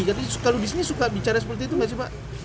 jadi kalau di sini suka bicara seperti itu gak sih pak